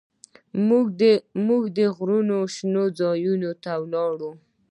موږ د غرونو شنو ځايونو ته ولاړو.